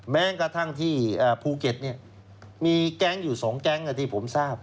แม้กระทั่งที่ภูเก็ตมีแก๊งอยู่๒แก๊งที่ผมทราบ